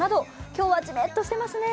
今日はじめっとしてますね。